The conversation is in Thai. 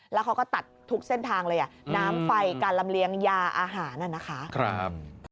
แล้วเขาก็ตัดทุกเส้นทางเลยอ่ะน้ำไฟการลำเลียงยาอาหารน่ะนะคะ